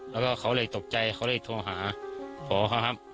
แล้วก็เขาเลยตกใจเขาเลยโทรหาพ่อเขาครับ